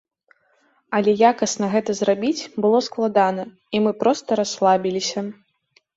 Але якасна гэта зрабіць было складана, і мы проста расслабіліся.